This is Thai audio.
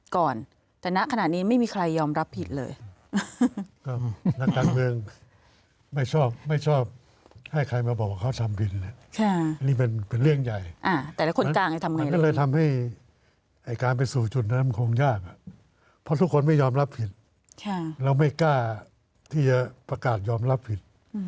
ก็นักการเมืองไม่ชอบไม่ชอบให้ใครมาบอกว่าเขาทำผิด